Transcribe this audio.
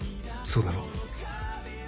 そうだろ？